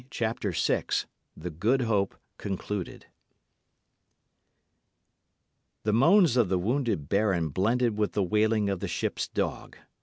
CHAPTER VI THE GOOD HOPE (concluded) The moans of the wounded baron blended with the wailing of the ship's dog.